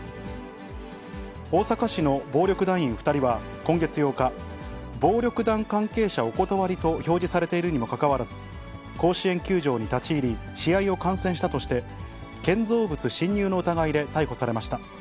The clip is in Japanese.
大阪市の暴力団員２人は、今月８日、暴力団関係者お断りと標示されているにもかかわらず、甲子園球場に立ち入り、試合を観戦したとして、建造物侵入の疑いで逮捕されました。